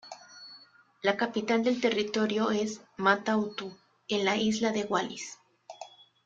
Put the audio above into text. La capital del territorio es Mata-Utu, en la isla de Wallis.